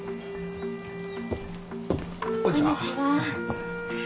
こんにちは。